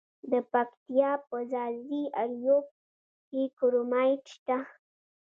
د پکتیا په ځاځي اریوب کې کرومایټ شته.